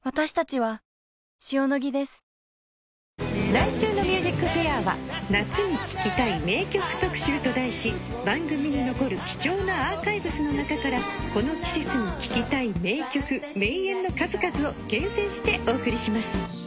来週の『ＭＵＳＩＣＦＡＩＲ』は「夏に聴きたい名曲特集」と題し番組に残る貴重なアーカイブスの中からこの季節に聴きたい名曲名演の数々を厳選してお送りします。